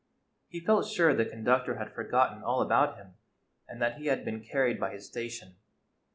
He felt sure the conductor had forgotten all about him, and that he had been carried by his station.